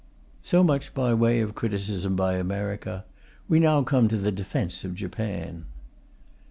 So much by way of criticism by America; we come now to the defence of Japan.